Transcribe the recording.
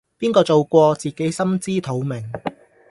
邊個做過自己心知肚明